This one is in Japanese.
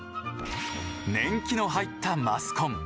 年季の入ったマスコン。